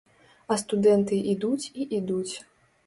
А студэнты ідуць і ідуць.